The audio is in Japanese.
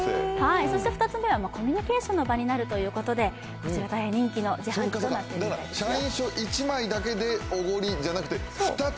２つ目は、コミュニケーションの場になるということでこちら大変人気の自販機となっているみたいですね。